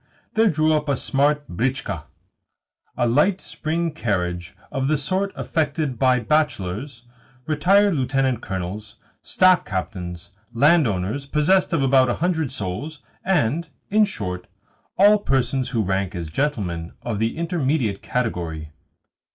there drew up a smart britchka a light spring carriage of the sort affected by bachelors, retired lieutenant colonels, staff captains, land owners possessed of about a hundred souls, and, in short, all persons who rank as gentlemen of the intermediate category.